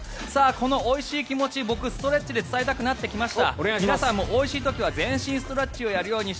このおいしい気持ち僕、ストレッチで伝えたくなってきました。